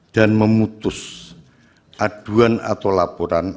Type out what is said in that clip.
dan memutus aduan atau laporan